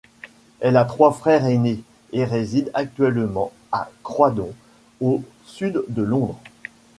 Elle a trois frères aînés et réside actuellement à Croydon, au sud de Londres.